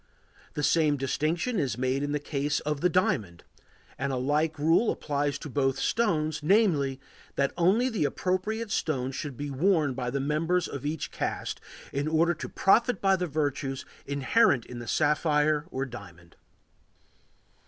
The same distinction is made in the case of the diamond, and a like rule applies to both stones, namely, that only the appropriate stone should be worn by the members of each caste, in order to profit by the virtues inherent in the sapphire or diamond.